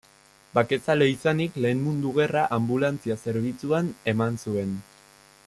Bakezalea izanik, Lehen Mundu Gerra anbulantzia-zerbitzuan eman zuen.